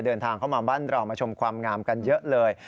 เดินทางเข้ามาบ้านเรามาชมความงามกันเยอะเลย